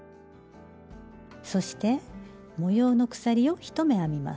そして模様の鎖を１目編みます。